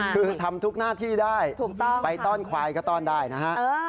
คือทำทุกหน้าที่ได้ถูกต้องไปต้อนควายก็ต้อนได้นะฮะ